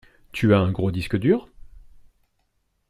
Tu as un gros disque dur?